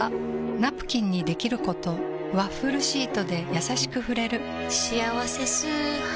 ナプキンにできることワッフルシートでやさしく触れる「しあわせ素肌」